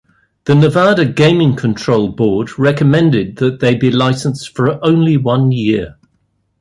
The Nevada Gaming Control Board recommended that they be licensed for only one year.